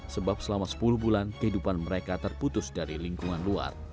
sebab selama sepuluh bulan kehidupan mereka terputus dari lingkungan luar